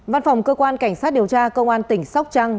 văn phòng cơ quan cảnh sát điều tra công an tỉnh sóc trăng